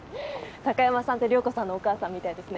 貴山さんって涼子さんのお母さんみたいですね。